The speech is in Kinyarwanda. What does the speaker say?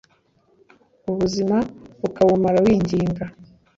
ubuzima ukabumara winginga;